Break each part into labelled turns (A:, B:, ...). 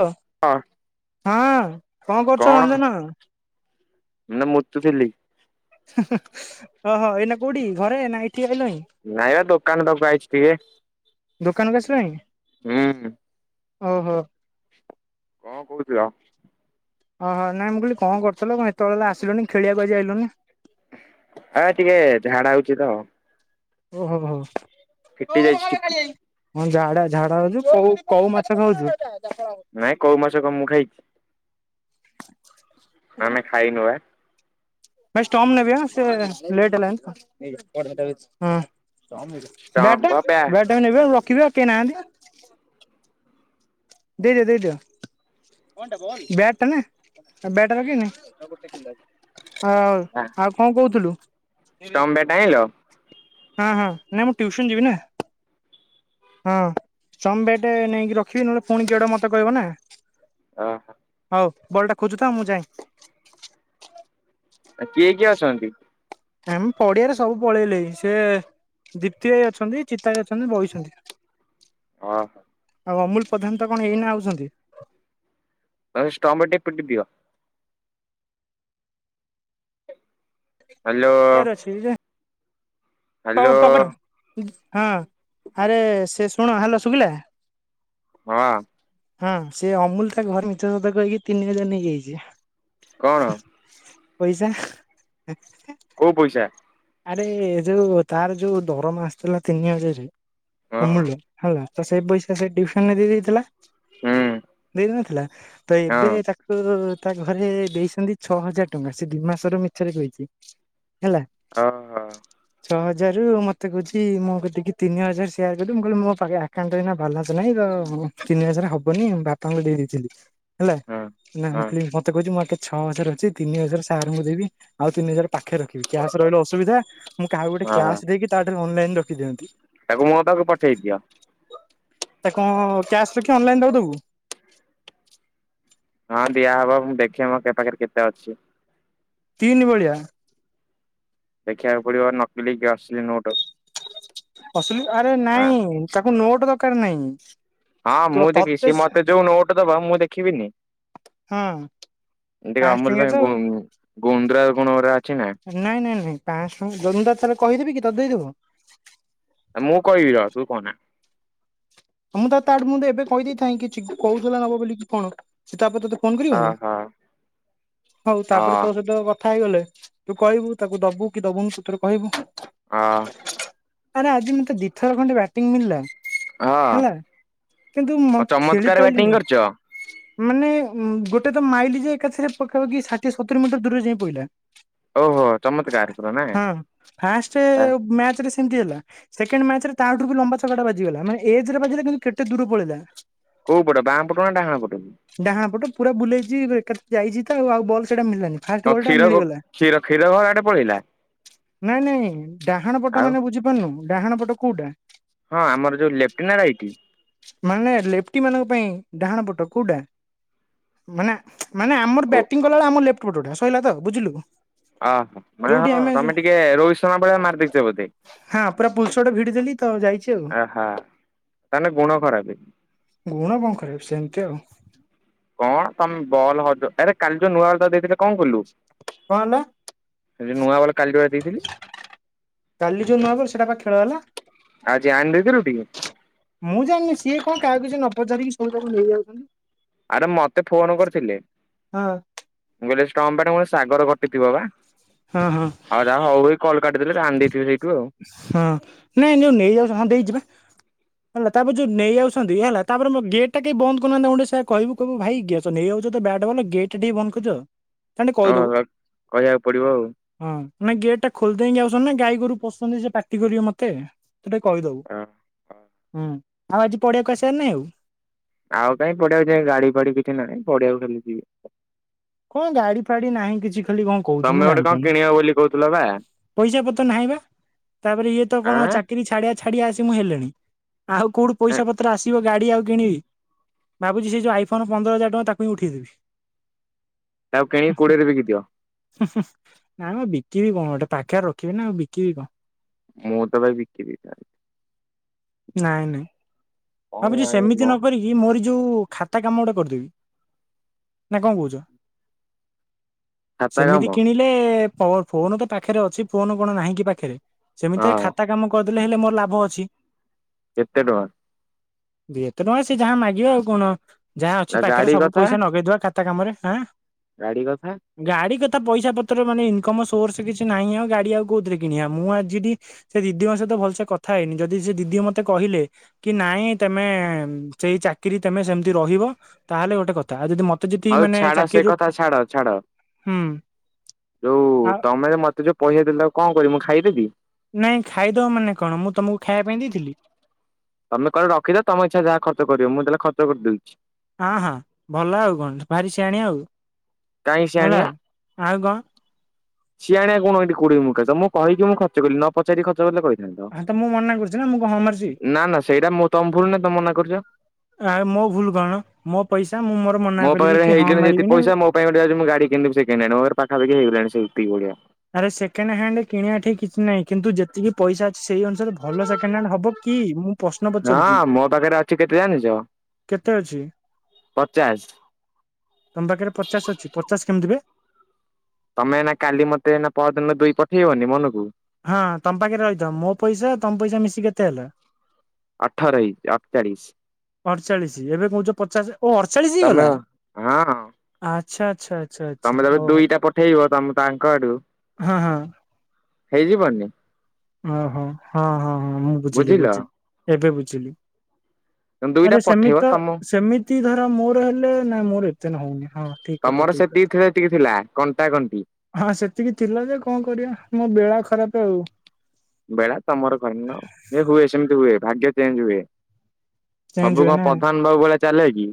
A: ହ
B: ହଁ
A: ହଁ କଣ କରୁଚ ରଞ୍ଜନ
B: ମୁତୁଥିଲି।
A: ଓହୋ ଏଇନା କୋଉଠି ଘରେ ନା ଏ
B: ନାଇଁ ବା ଦୋକାନ ପାଖକୁ ଆଇଚି ଟିକେ
A: ଦୋକାନକୁ ଆସିଲଣି?
B: ହୁଁ।
A: ଓହୋ।
B: କଣ କହୁଥିଲ?
A: ଓହୋ ନାଇ ମୁଁ କିଲି କଣ କରୁଥିଲ, ଏତେବେଳ ଆସିଲନି। ଖେଳିବାକୁ ଆଜି ଆଇଲୁନି।
B: ଆ ଟିକେ ଝାଡା ହଉଛି ତ
A: ଓ ହୋ
B: ଫିଟି ଯାଇଛି ଠିପି
A: ହୋ। ହଁ ଝାଡା ଝାଡା ହୋଉଚୁ, କୋଉ କୋଉ ମାଛ ଖାଉଚୁ?
B: ନାଇଁ କୋଉ ମାଛ କ ମୁଁ ଖାଇଛି ନ ନାଇ ଖାଇନୁ ବା।
A: ବ ଷ୍ଟମ ନେବି ଆ ସେ ଲେଟ୍ ହେଲା ବେଡ
B: ଷ୍ଟମ୍ପ ବ୍ୟା
A: ଟାଇ ବେଡ ଟାଇ ନେବେ ଆଉ ରଖିବେ ଆଉ କେହି ନାହାନ୍ତି। ଦେଇଦେ ଦେଇଦେ। ବ୍ୟାଟ୍ ଟା ନା ବ୍ୟାଟ ଟା ରଖିବାନି। ହଁ ଆଉ କଣ କହୁଥିଲୁ?
B: [unintelligible]
A: ହଁ, ହଁ ନାଇଁ ମୁଁ ଟ୍ୟୁସନ୍ ଯିବି ନା। ହଁ ସୋମ ବେଟେ ନେଇକି ରଖିବି ନହେଲେ ପୁଣି କିଏ ଗୋଟେ ମୋତେ କହିବ ନା।
B: ହଁ।
A: ହଉ ବଲ୍ ଟା ଖୋଜୁଥା ମୁଁ ଯାଏ।
B: ଆ, କିଏ କିଏ ଅଛନ୍ତି?
A: ଆମ ପଡିଆରେ ସବୁ ପଳେଇଲେଇ। ସେ ଦୀପ୍ତି ଭାଇ ଅଛନ୍ତି, ଚିତ ଭାଇ ଅଛନ୍ତି ବଇଛନ୍ତି।
B: ହଁ।
A: ଆଉ ଅମୁଲ ପ୍ରଧାନ ତ କଣ ଏଇନା ଆଉଛନ୍ତି।
B: ତାକୁ ସେ ଷ୍ଟମ୍ପରେ ଟିକେ ପିଟିଦିଅ। ହାଲୋ।
A: ପ-ପକଡ ହଁ ଆରେ ସେ ଶୁଣ ହ୍ୟାଲୋ, ଶୁଭିଲା?
B: ହଁ।
A: ହଁ ସେ ଅମୁଲ ତା ଘରେ ମିଛ ସତ କହିକି ତିନି ହଜାର ନେଇଆଇଚି।
B: କଣ?
A: ପଇସା।
B: କୋଉ ପଇସା?
A: ଆରେ ଏ ଯୋଉ ତାର ଯୋଉ ଦରମା ଆସିଥିଲା ତିନି ହଜାରେ
B: ହଁ।
A: ଅମୁଲ ର ହେଲା, ତ ସେଇ ପଇସା ସେ ଟିଉସନ ରେ ଦେଇ ଦେଇଥିଲା।
B: ହୁଁ
A: ଦେଇନଥିଲା, ତ ଏବେ
B: ହଁ
A: ତା ତ ତା ଘରେ ଦେଇଛନ୍ତି ଛଅ ହଜାର ଟଙ୍କା। ସେ ଦି ମାସ ର ମିଛରେ କହିଛି ହେଲା।
B: ଓ ହୋ।
A: ଛଅ ହଜାରରୁ ମୋତେ କହୁଛି ମୋ କତିକି ତିନି ହଜାର ସେୟାର୍ କରିବି, ମୁଁ କହିଲି ମୋ ପାଖେ ଆକାଉଣ୍ଟ ରେ ଏଇନା ବାଲାନ୍ସ ନାହିଁ। ତ ମୁଁ ତିନି ମାସରେ ହବନି, ବାପା ଙ୍କୁ ଦେଇ ଦେଇଥିଲି ହେଲା। ନା ମୁଁ କହିଲି ମୋତେ କହୁଛି ମୋ ଆକେ ଛଅ ହଜାର ଅଛି ତିନି ହଜାର ସାର୍ ଙ୍କୁ ଦେବି ଆଉ ତିନି ହଜାର ପାଖେରେ ରଖିବି, କ୍ୟାସ୍ ରହିଲେ ଅସୁବିଧା। ମୁଁ କାହାକୁ ଗୋଟେ
B: ହଁ ଓହୋ
A: କ୍ୟାସ୍ ଦେଇକି ତାଠାରୁ ଅନଲାଇନ୍ ରଖିଦିଅନ୍ତି।
B: ତାକୁ ମୋ ପାଖକୁ ପଠେଇ ଦିଅ।
A: ତା କଁ କ୍ୟାସ୍ ରଖି ଅନଲାଇନ୍ ତାକୁ ଦବୁ?
B: ହଁ ଦିଆହବ, ମୁଁ ଦେଖେ ମୋ କେ-ପାଖରେ କେତେ ଅଛି।
A: ତିନି ଭଳିଆ।
B: ଦେଖିବାକୁ ପଡିବ ନକଲି କି ଅସିଲି ନୋଟ।
A: ଅସଲି ଆରେ
B: ହଁ
A: ନାଇଁ ତାକୁ ନୋଟ ଦରକାର ନାଇଁ।
B: ହଁ ମୁଁ ଦେଖିବି ସିଏ ମୋତେ ଯୋଉ ନୋଟ ଦବ ମୁଁ ଦେଖିବିନି।
A: ହଁ।
B: ଟିକେ
A: ପାଞ୍ଚ
B: ଅମୁଲ
A: ଟଙ୍କିଆ ତ
B: ପାଖେ
A: ଆଉ
B: ଗୁ ଗୁନ୍ଦୁରା ଗୁଣ ଗୁଡା ଅଛି ନା।
A: ନାଇଁ ନାଇଁ ନାଇଁ ପାଁଶହ ଟଙ୍କା [unintelligible] ମୁଁ ତାକୁ ଥରେ କହିଦେବି କି ତୋତେ ଦେଇଦବ।
B: ଏ ମୁଁ କହିବି ରହ ତୁ କହନା।
A: ହଁ ମୁଁ ତ ତା ଆଡୁ ମୁଁ ତ ଏବେ କହିଦେଇଥାଏ କି ଚିକୁ କହୁଥିଲା ନବ ବୋଲି କି କଣ। ସେ ତାପରେ ତୋତେ ଫୋନ୍ କରିବନି,
B: ଓହୋ ହଁ।
A: ହଉ ତାପରେ ତୋ ସହିତ କଥା ହେଇଗଲେ ତୁ କହିବୁ ତାକୁ ଦବୁ କି ଦବୁନୁ ସେଥିରେ କହିବୁ।
B: ହଁ।
A: ଆରେ ଆଜି ମୋତେ ଦିଥର ଖଣ୍ଡେ ବ୍ୟାଟିଂ ମିଳିଲା।
B: ହଁ
A: ହେଲା କିନ୍ତୁ ମତ୍ ଖେଳି
B: ଚମତ୍କାର ବ୍ୟାଟିଂ
A: ପାଇଲିିନି।
B: କରିଛ
A: ମାନେ ଉଁ, ଗୋଟେ ତ ମାଇଲି ଯେ ଏକାଥରେ ପାଖାପାଖି ଷାଠିଏ ସତୁରି ମିଟର୍ ଦୂରରେ ଯାଇ ପଇଲା।
B: ଓହୋ ଚମତ୍କାର ପୁରା ନା।
A: ହଁ। ଫାଷ୍ଟ ମ୍ୟାଚ୍ ରେ ସେମିତି ହେଲା, ସେକେଣ୍ଡ ମ୍ୟାଚ୍ ରେ ତାଠୁ ବି ଲମ୍ବା ଛକା ଟା ବାଜିଗଲା। ମାନେ ଏଜରେ ବାଜିଲା କିନ୍ତୁ କେତେ ଦୂର ପଳେଇଲା।
B: କୋଉ ପଟ ବାଁ ପଟ ନା ଡ଼ାହାଣା ପଟକୁ?
A: ଡାହାଣ ପଟ ପୁରା ବୁଲେଇଚି ର- ଏକାଥରେ ଯାଇଛି ତ ଆଉ ଆଉ ବଲ୍ ସେଇଟା ମିଳିଲାନି। ଫାଷ୍ଟ
B: ହଁ
A: ବଲ୍ ଟା
B: କ୍ଷୀର ଘ
A: ମିଳିଗଲା
B: କ୍ଷୀର କ୍ଷୀର ଘର ଆଡେ ପଳେଇଲା।
A: ନାଇଁ ନାଇଁ ଡାହାଣ ପଟ
B: ଆଉ
A: ମାନେ ବୁଝିପାରୁନୁ, ଡାହାଣ ପଟ କୋଉଟା?
B: ହଁ ଆମର ଯୋଉ ଲେଫ୍ଟ ନା ରାଇଟି?
A: ମାନେ ଲେପ୍ଟି ମାନଙ୍କ ପାଇଁ ଡାହାଣ ପଟ କୋଉଟା ମାନେ ମାନେ ଆମର
B: ଓ
A: ବ୍ୟାଟିଂ କଲାବେଳେ ଆମ ଲେପ୍ଟ ପଟ ଉଠା ସଇଲା ତ ବୁଝିଲୁ।
B: ଅହ ମାନେ
A: ଯୋଉଠି
B: ହଁ
A: ଆମେ
B: ତମେ ଟିକେ ରୋହିତ ଶର୍ମା ଭଳିଆ ମାରଦେଇଚ ବୋଧେ?
A: ହଁ ପୁରା ପୁଲସଟ ଭିଡି ଦେଲି ତ ଯାଇଛି ଆଉ।
B: ଆହା ତାହେଲେ ଗୁଣ ଖରାପ
A: ଗୁଣ କଣ କରିବ ସେମତି ଆଉ।
B: କଣ ତମ ବଲ ହଜ ଆରେ କାଲି ଯୋଉ ନୂଆ ବଲଟା ଦେଇଥିଲେ କଣ କଲୁ
A: କଣ ହେଲା
B: ସେଠି ନୂଆ ବାଲ କାଲିକି ପା ଦେଇଥିଲି।
A: କାଲି ଯୋଉ ନୂଆବଲ ସେଟା ପା ଖେଳ ହେଲା।
B: ଆଜି ଆଣି ଦେଇଥିଲୁ ଟି
A: ମୁଁ ଜାଣିନି ସିଏ କଣ କାହାକୁ କିଛି ନ ପଚାରିକି ସବୁ ତାକୁ ନେଇଯାଉଛନ୍ତି।
B: ଆରେ ମତେ ଫୋନ କରିଥିଲେ
A: ହଁ
B: ମୁଁ କହିଲି ଷ୍ଟମ୍ ବ୍ୟାଟ ସାଗର ଘଟି ଥିବ ପା।
A: ହଁ ହଁ।
B: ହଁ ଏରା ହୋଉ ଏ କଲ କାଟିଦେଲେ ଜାଣି ଦେଇଥିବେ ସେଇଠୁ ଆଉ।
A: ହଁ ନାଇଁ ଯୋଉ ନେଇଯାଉଚ ହଁ ଦେଇଚି ପା। ହେଲା ତାପରେ ଯୋଉ ନେଇ ଯାଉଛନ୍ତି ହେଲା ତାପରେ ମୋ ଗେଟଟା କାଇଁ ବନ୍ଦ କରୁନାହାନ୍ତି ତାଙ୍କୁ ଟିକେ ସେୟା କହିବୁ। କହିବୁ ଭାଇ ଗେ ସ ନେଇଯାଉଚ ତ ବ୍ୟାଟ୍ ବଲ ଗେଟଟା ଟିକେ ବନ୍ଦ କରି ଯଅ। ତାଙ୍କୁ ଟିକେ କହିଦୋବୁ
B: ଓହୋ କହିବାକୁ ପଡିବ
A: ହଁ ନାଇ ଗେଟଟା ଖୋଲି ଦେଇକି ଆଉଛନ୍ତି ନା ଗାଈ ଗୋରୁ ପସ୍ ସୁଚନ୍ତି ସେ ପାଟି କରିବେ ମତେ ତୁ ଟିକେ କହିଦୋବୁ।
B: ଆଉ
A: ହୁଁ ଆଉ ଆଜି ପଡିଆକୁ ଆସିବାର ନାହିଁ ଆଉ?
B: ଆଉ କାଇଁ ପଡିଆକୁ ଯିମି ଗାଡି ଫାଡି କିଛି ନାହିଁ ପଡିଆକୁ ଖାଲି ଯିବି।
A: କଣ ଗାଡି ଫାଡି ନାହିଁ କିଛି ଖାଲି କଣ କୋହୁଚୁ ମୁଁ
B: ତମେ ଗୋଟେ କଣ
A: ଜାଣିପାରୁନି
B: କିଣିବ ବୋଲି କହୁଥିଲ ବା
A: ପଇସା ପତ୍ର ନାହିଁ ପା। ତାପରେ ଇଏ ତ କଣ
B: ଆଁ
A: ଚାକିରି ଛାଡିଆ ଛାଡିଆ ଆସି ମୁଁ ହେଲିଣି ଆଉ କୋଉଠୁ ପଇସା ପତ୍ର ଆସିବ ଗାଡି ଆଉ କିଣିବି ଭାବୁଚି ସେଇ ଯୋଉ ଆଇ ଫୋନ ପନ୍ଦର ହଜାର ଟଙ୍କା ତାକୁ ହିଁ ଉଠେଇଦେବି।
B: ତାକୁ କିଣିକି କୋଡିଏରେ ବିକିଦିଅ।
A: ହୁଁ ହୁଁ ନାଇଁ ମ ବିକିବି କଣ ଗୋଟେ ପାଖରେ ରଖିବି ନା ଆଉ ବିକିବି କଁ।
B: ମୁଁ ତ ଭାଇ ବିକି ଦେଇଥାନ୍ତି।
A: ନାଇଁ ନାଇଁ
B: କଣ
A: ଭାବୁଚି
B: ନାହିଁ
A: ସେମିତି
B: ମ
A: ନ କରି କି ମୋରି ଯୋଉ ଖାତା କାମ ଗୋଟେ କରିଦେବି ନା କଣ କୋହୁଚ?
B: ଖାତା
A: ସେମିତି
B: କାମ
A: କିଣି ଲେ ପ ଫୋନ ତ ପାଖେରେ ଅଛି ଫୋନ କଣ ନାହିଁ କି ପାଖେରେ ସେମିତି ଏ
B: ହଁ
A: ଖାତା କାମ କରିଦେଲେ ହେଲେ ମୋର ଲାଭ ଅଛି।
B: କେତେ ଟଙ୍କା?
A: ଯେତେ ଟଙ୍କା ସିଏ ଯାହା ମାଗିବେ ଆଉ କଣ ଯାହା
B: ନା
A: ଅଛି ପାଖେରେ
B: ଗାଡି
A: ସବୁ
B: କଥା
A: ପଇସା ନଗେଇଦବା ଖାତା କାମରେ ଆଁ।
B: ଗାଡି କଥା?
A: ଗାଡି କଥା ପଇସା ପତ୍ର ମାନେ ଇନକମ୍ ସୋର୍ସ କିଛି ନାହିଁ ଆଉ ଗାଡି ଆଉ କୋଉଥିରେ କିଣିବା ମୁଁ ଆଜି ଟି ସେ ଦିଦିଙ୍କ ସହିତ ଭଲସେ କଥା ହେଇନି ଯଦି ସେ ଦିଦି ମତେ କହିଲେ କି ନାଇଁ ତମେ ସେଇ ଚାକିରି ତେମେ ସେମତି ରହିବ ତାହେଲେ ଗୋଟେ କ ତା ଯଦି ମତେ ଯଦି
B: ହଉ
A: ମାନେ
B: ଛାଡ ସେ
A: ଚାକିରିରୁ
B: କଥା ଛାଡ ଛାଡ
A: ହୁଁ
B: ଯୋଉ
A: ଆଉ
B: ତମେ ଯା ମତେ ଯୋଉ ପଇସା ଦେଇଥିଲ ତାକୁ କଣ କରିବି ମୁଁ ଖାଇଦେବି?
A: ନାଇଁ ଖାଇଦବ ମାନେ କଣ ମୁଁ ତମକୁ ଖାଇବା ପାଇଁ ଦେଇଥିଲି?
B: ତମେ କହିଲ ରଖିଥା ତମ ଇଚ୍ଛା ଯାହା ଖର୍ଚ୍ଚ କରିବ ମୁଁ ତାହଲେ ଖର୍ଚ୍ଚ କରିଦୋଉଚି।
A: ହଁ ହଁ ଭଲ ଆଉ କଣ ଭାରି ସିଆଣିଆ ଆଉ।
B: କାଇଁ
A: ହେଲା।
B: ସିଆଣିଆ?
A: ଆଉ କଣ
B: ସିଆଣିଆ କଣ ଏଠି କୋଉଠି ମୁଁ କା ତମକୁ କହିକି ମୁଁ ଖର୍ଚ୍ଚ କଲି ନ ନ ପଚାରି ଖର୍ଚ୍ଚ କଲେ କହିଥାନ୍ତ
A: ହଁ ତ ମୁଁ ମନା କରୁଛି ନା ମୁଁ କଣ ହଁ ମାରୁଛି
B: ନା ନା ସେଇଟା ମୁଁ ତମ ଭୁଲ ନୁଏ ତମେ ମନା କରୁଚ।
A: ଆ ମୋ ଭୁଲ କଣ ମୋ ପଇସା ମୁଁ ମୋର
B: ମୋ
A: ମନା କରିବି
B: ପାଖରେ
A: କି ହଁ
B: ହେଇଗଲାଣି ଯେତିକି
A: ମାରିବିନି।
B: ପଇସା ମୋ ପାଇଁ ଗୋଟେ ଯାଉଚି ମୁଁ ଗାଡି କିଣିଦେବି ସେକେଣ୍ଡ ହ୍ୟାଣ୍ଡ ମୋ ପାଖରେ ପାଖାପାଖି ହେଇଗଲାଣି ସେତିିକି ଭଳିଆ।
A: ଆରେ ସେକେଣ୍ଡ ହ୍ୟାଣ୍ଡ କିଣିବା ଠେଇ କିଛି ନାହିଁ କିନ୍ତୁ ଯେତିକି ପଇସା ଅଛି ସେଇ ଅନୁସାରେ ଭଲ ସେକେଣ୍ଡ ହାଣ୍ଡ ହବ କି ମୁଁ ପ୍ରଶ୍ନ
B: ହଁ
A: ପଚାରୁଛି
B: ମୋ ପାଖରେ ଅଛି କେତେ ଜାଣିଛ
A: କେତେ ଅଛି
B: ପଚାଶ
A: ତମ ପାଖରେ ପଚାଶ ଅଛି ପଚାଶ କେମିତିିବେ?
B: ତମେ ଏଇନା କାଲି ମତେ ନା ପରଦିନ ଦୁଇ ପଠେଇବନି ମନକୁ।
A: ହଁ ତମ ପାଖେ ରହିଥାଉ ମୋ ପଇସା ତମ ପଇସା ମିଶି କେତେ ହେଲା?
B: ଅଠର ହେଇ ଅଠଚାଳିଶ
A: ଅଠଚାଳିଶ ଏବେ କହୁଛ ପଚାଶ ଓ ଅଠଚାଳିଶ
B: ତମେ
A: ହେଇଗଲା
B: ହଁ
A: ଆଛା ଆଚ୍ଛା। ଆଚ୍ଛା
B: ତମେ ତେବେ
A: ଓହୋ
B: ଦୁଇଟା ପଠେଇବ ତମେ ତାଙ୍କ ଆଡୁ
A: ହଁ ହଁ।
B: ହେଇଯିବନି?
A: ଓହୋ ହଁ ହଁ ହଁ ମୁଁ ବୁଝିଲି
B: ବୁଝିଲ
A: ବୁଝିଲି ଏବେ ବୁଝିଲି।
B: ତମେ ଦୁଇଟା
A: ନଲେ ସେମି
B: ପଠେଇବ
A: ତ
B: ତମ
A: ସେମିତି ଧର ମୋର ହେଲେ ନାଇ ମୋର ଏତେ ନ ହଉନି ହଁ ଠିକ କଥା
B: ତମର
A: ଠିକ
B: ସେତିକି
A: କଥା
B: ଥିଲେ ଯେତିକି ଥିଲା କଣ୍ଟା କଣ୍ଟି।
A: ହଁ ସେତିକି ଥିଲା ଯେ କଣ କରିବା ମୋ ବେଳା ଖରାପ ଆଉ।
B: ବେଳା ତମର ଘରେ ନ ଏ ହୁଏ ସେମିତି ହୁଏ ଭାଗ୍ୟ ଚେଞ୍ଜ ହୁଏ
A: ଚେଞ୍ଜ
B: ସବୁ
A: ହୁଏ
B: କଣ
A: ନା
B: ପ୍ରଧାନ ବାବୁ ଭଳିଆ ଚାଲାକି।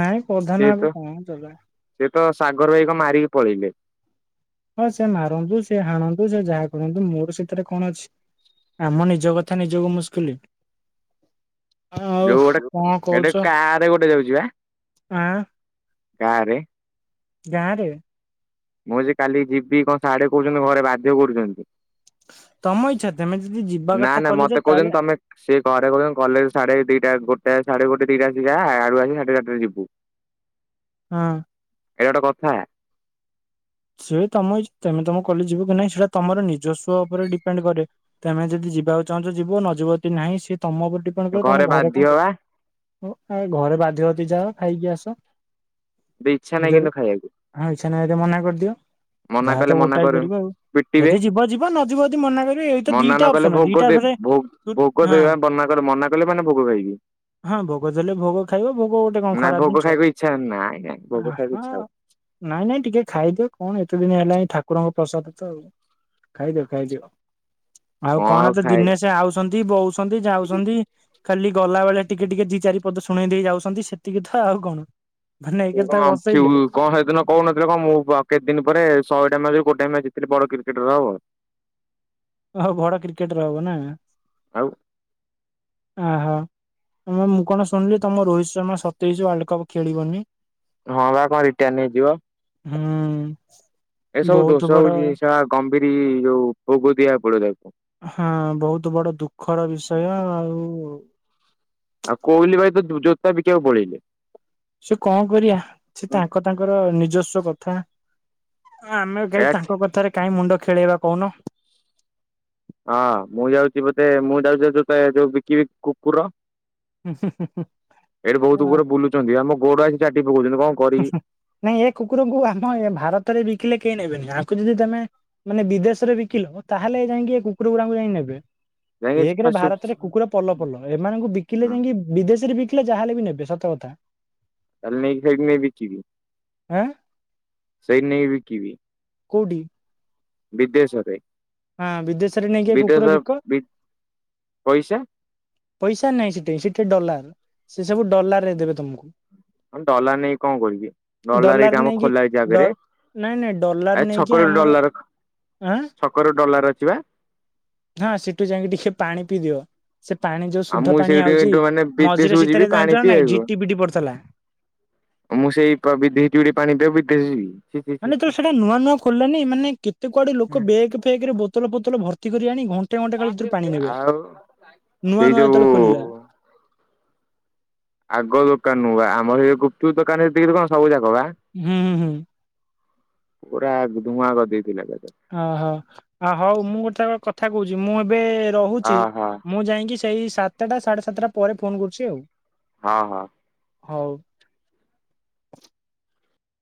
A: ନାଇଁ ପ୍ରଧାନ ବାବୁ କଣ ଚାଲାକି।
B: ସେ ତ ସାଗର ଭାଇକୁ ମାରିକି ପଳେଇଲେ।
A: ହଁ ସେ ମାରନ୍ତୁ ସେ ହାଣନ୍ତୁ ସେ ଯାହା କରନ୍ତୁ ମୋର ସେଥିରେ କଣ ଅଛି? ଆମ ନିଜ କଥା ନିଜକୁ ମୁସ୍କିଲି
B: ଯୋଉ ଗୋଟେ
A: କଣ କହୁଛ
B: ଏଟେ କାରେ ଗୋଟେ ଯାଉଛି ବା।
A: ଆଁ
B: ଗାଁରେ
A: ଗାଁରେ?
B: ମୁଁ କହିଲି କାଲି ଯିବି କଣ ସାଡେ କହୁଛନ୍ତି ଘରେ ବାଧ୍ୟ କରୁଛନ୍ତି।
A: ତମ ଇଚ୍ଛା ତମେ ଯଦି ଯିବା
B: ନା
A: କଥା
B: ନା ମତେ
A: କଲେଜ
B: କହୁଛନ୍ତି
A: ତାହେଲେ
B: ତମେ ସେ ଘରେ କହୁଛନ୍ତି କଲେଜ ସାଢେ ଦିଟା ଗୋଟା ସାଢେ ଗୋଟେ ଦିଟା ବାଜିକି ଆ ଆଡ଼େ ଆସି ସାଢେ ଚାରିଟାରେ ଯିବୁ।
A: ହଁ।
B: ଏଇଟା ଗୋଟେ କଥା।
A: ସିଏ ତମ ଇଛ ତମେ ତମେ କଲେଜ ଯିବ କି ନାଇଁ ସେଇଟା ତମର ନିଜସ୍ୱ ଉପରେ ଡିପେଣ୍ଡ କରେ। ତମେ ଯଦି ଯିବାକୁ ଚାହୁଁଛ ଯିବ ନ ଯିବ ଯଦି ନାହିଁ ସିଏ ତମ ଉପରେ ଡିପେଣ୍ଡ କରିବ ତମ ଘରେ
B: ବାଧ୍ୟ
A: କଣ କହିବ?
B: ବା
A: ଓ ଆ ଘରେ ବାଧ୍ୟ ଅଛି ଯଦି ଯାଅ ଖାଇକି ଆସ।
B: ଇଚ୍ଛା ନାହିଁ
A: ଯଦି
B: କିନ୍ତୁ ଖାଇବାକୁ
A: ଆ ଇଛା ନାହିଁ ଯଦି ମନା କରିଦିଅ।
B: ମନା
A: ଯାହା
B: କଲେ
A: ତ
B: ମନା
A: ଗୋଟାଏ
B: କର
A: କରିବ ଆଉ
B: ପିଟିବେ
A: ଯଦି ଯିବ ଯିବ ନ ଯିବ ଯଦି ମନା କରିବ ଏଇ ତ ଦିଟା ଅପସନ ଦିଟାରେ
B: ଭୋକ ଦେବା ମନା କର ମନା କଲେ ମାନେ ଭୋଗ ଖାଇବି।
A: ହଁ ଭୋଗ ଦେଲେ ଭୋଗ ଖାଇବ ଭୋଗ ଗୋଟେ କଣ
B: ନାଇଁ
A: ଖରାପ
B: ଭୋଗ ଖାଇବାକୁ ଇଛା ନାଇଁ ନାଇଁ। ଭୋଗ ଖାଇବାକୁ
A: ଆହା
B: ଇଚ୍ଛା ହଉ
A: ନାଇଁ ନାଇଁ ଟିକେ ଖାଇଦିଅ। କଣ ଏତେ ଦିନ ହେଲାଣି ଠାକୁରଙ୍କ ପ୍ରସାଦ ତ ଆଉ ଖାଇଦିଅ ଖାଇଦିଅ। ଆଉ କଣ ତ ଦିନେ ସେ ଆଉଛନ୍ତି ବୋଉଛନ୍ତି ଯାଉଛନ୍ତି। ଖାଲି ଗଲାବେେଳେ ଟିକେ ଟିକେ ଦି ଚାରି ପଦ ଶୁଣେଇ ଦେଇ ଯାଉଛନ୍ତି ସେତିକି ତ ଆଉ କଣ? ମାନେ ଏକରେ ତାକୁ ବସେଇଲେ
B: [unintelligible] କଣ ସେଦିନ କହୁନଥିଲେ କଣ ମୁଁ କେତେ ଦିନ ପରେ ଶହେଟା ମ୍ୟାଚ ଗୋଟେ ମ୍ୟାଚ ଜିତିଥିଲି ବଡ କ୍ରିକେଟର ହବ।
A: ଓହୋ ବଡ଼ କ୍ରିକେଟର ହବ ନା
B: ଆଉ
A: ଓହୋ! ଆମ ମୁଁ କଣ ଶୁଣିଲି ତମ ରୋହିତ ଶର୍ମା ସତେଇଶ ୱାର୍ଲଡ କପ୍ ଖେଳିବନି।
B: ହଁ ବା କଣ ରିଟାୟାର ନେଇଯିବ
A: ହୁଁ।
B: ଏସବୁ
A: ବହୁତ
B: ଦୋଷ
A: ବଡ
B: ହଉଛି ଏଇ ଶଳା କମ୍ଭିରି ଯୋଉ ଫୋଗ ଦିଆ ପଡ ତାକୁ
A: ହଁ ବହୁତ ବଡ ଦୁଃଖର ବିଷୟ ଆଉ
B: ଆଉ କହଲି ଭାଇ ତ ଜୋତା ବିକିବାକୁ ପଳେଇଲେ।
A: ସେ କଣ କରିବା ସେ ତାଙ୍କ ତାଙ୍କର ନିଜସ୍ୱ କଥା। ଆମେ କହି
B: ଏଇଟା ଠିକ
A: ତାଙ୍କ କଥାରେ କାଇହିଁ ମୁଣ୍ଡ ଖେଳେଇବା କହୁନ।
B: ହଁ ମୁଁ ଯାଉଛି ବୋଧେ ମୁଁ ଯାଉଛି ତ ଯେ ଯୋଉ ବିକିବି କୁକୁର।
A: କହୁନ।
B: ଏଇଠି ବହୁତ ଉପରେ ବୁଲୁଛନ୍ତି ଆଉ ମୋ ଗୋଡ ଆସି ଚାଟି ପକଉଛନ୍ତି କଣ କରିବି
A: ନାଇଁ ଏ କୁକୁରକୁ ଆମ ଏ ଭାରତରେ ବିକିଲେ କେହି ନେବେନି ଆକୁ ଯଦି ତମେ ମାନେ ବିଦେଶରେ ବିକିଲ ତାହେଲେ ଯାଇକି କୁକୁର ଗୁଡାଙ୍କୁ ଯାଇ ନେବେ।
B: ଯାଇକି
A: ରେ
B: ଫାଷ୍ଟ
A: ଭାରତରେ କୁକୁର ପଲ ପୋଲ ଏମାନଙ୍କୁ ବିକିଲେ
B: ହଁ
A: ଯାଇକି ବିଦେଶରେ ବିକିଲେ ଯାହାେଲେ ବି ନେବେ ସତ କଥା।
B: ତାହେଲେ ନେଇକି ଯାଇକି ନେଇ ବିକିବି?
A: ହାଁ?
B: ସେଇ ନେଇଁ ବିକିବି।
A: କୋଉଠି?
B: ବିଦେଶରେ
A: ହଁ ବିଦେଶରେ ନେଇକି କୁକୁର
B: ବିଦେଶ
A: ବିକ
B: ବି ପଇସା।
A: ପଇସା ନାହିଁ ସେଟ ସେଠ ଡଲାର। ସେ ସବୁ ଡଲାର ରେ ଦେବେ ତମକୁ?
B: ହ ଡଲାର ନେଇକି କଣ କରିବି ଡଲାର ଏଇଠି ଆମ
A: ନେଇକି
B: ଖୋଲା ହେଇଛି
A: ଡ
B: ଆଗରେ
A: ନାଇଁ ନାଇଁ
B: ଆ
A: ଡଲାର ନେଇକି ଆମର ଆଁ
B: ର ଡଲାର ଅଛି ବା?
A: ହଁ ସେଠୁ ଯାଇକି ଟିକେ ପାଣି ପିଇ ଦିଅ। ସେ ପାଣି ଯୋଉ
B: ଆଉ
A: ସୁଧ
B: ମୁଁ
A: ପାଣି
B: ସେଇଠି
A: ଆଉଛି,
B: ମାନେ
A: ମଝିରେ
B: ବିଦେଶକୁ ଯିବି
A: ସେଥିରେ
B: ପାଣି
A: ଜାଣିଛ ନା ନାଇଁ
B: ପିଇବାକୁ
A: ଝିଟି ପିଟି ପଡ଼ିଥିଲା।
B: ମୁଁ ସେଇ ବିଦେଶ ଜିଉଁଠି ପାଣି ପିବ ବିଦେଶ ଯିବି। ଛି ଛି ଛି
A: ମାନେ ତ
B: ଛି
A: ସେଟ ନୂଆ ନୂଆ ଖଲିଲାନି ମାନେ କେତେ କୁଆଡେ ଲୋକ ବେଗ୍ ଫେଗରେ ବୋତଲ ବୋତଲ ଭର୍ତି କରି ଆଣି ଘଣ୍ଟା ଗୋଟେ ଗଣ୍ଟେ କାଳେତରୁ ପାଣି ନେବେ
B: ଆଉ
A: ନୂଆ
B: ସେଇ
A: ନୂଆ ଯେତେବେଳେ ଖୋଲିଲା।
B: ଯୋଉ ଆଗ ଦୋକାନ ନୁ ବା ଆମର ଏଇ ଗୁପଚୁପ ଦୋକାନ ସେତିକିରି କଣ ସବୁ ଯାକ ବା।
A: ହୁଁ ହୁଁ ହୁଁ
B: ପୁରା ଧୂଆଁ କରିଦେଇଥିଲା କାଲି।
A: ଓହୋ ଆଉ ହଉ ମୁଁ ଗୋଟା କ କଥା କହୁଛି, ମୁଁ ଏବେ ରହୁଛି।
B: ଓହୋ
A: ମୁଁ ଯାଇକି ସେଇ ସାତଟା ସାଢେ ସାତଟା ପରେ ଫୋନ କରୁଛି ଆଉ।
B: ହଁ ହଁ।
A: ହଉ।